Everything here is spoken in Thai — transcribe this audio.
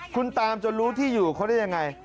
คุณตามจนรู้ที่อยู่เขาได้ยังไง